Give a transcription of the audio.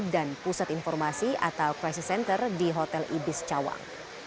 dan pusat informasi atau crisis center di hotel ibis cawang